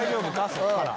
そこから。